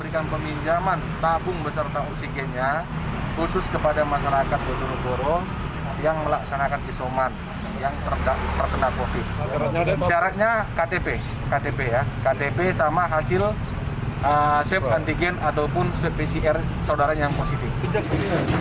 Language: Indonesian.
ktp sama hasil swab antigen ataupun pcr saudaranya yang positif